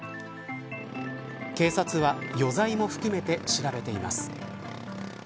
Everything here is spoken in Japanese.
警察は余罪も含めて調べています。